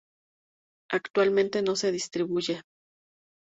Actualmente no se distribuye.